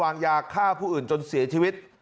วางยาฆ่าผู้อื่นจนเสียชีวิต